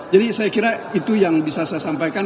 jadi saya kira itu yang bisa saya sampaikan